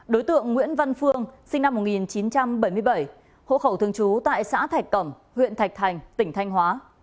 đối tượng nguyễn văn phương sinh năm một nghìn chín trăm bảy mươi bảy hộ khẩu thường trú tại xã thạch cẩm huyện thạch thành tỉnh thanh hóa